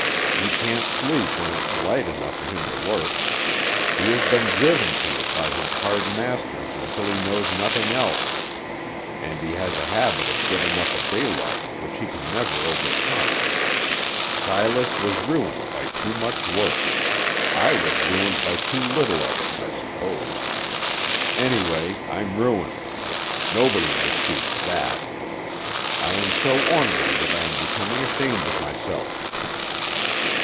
"He can't sleep when it's light enough for him to work. He has been driven to it by his hard masters until he knows nothing else, and he has a habit of getting up at daylight which he can never overcome. Silas was ruined by too much work; I was ruined by too little of it, I suppose. Anyway, I'm ruined; nobody disputes that. I am so ornery that I am becoming ashamed of myself."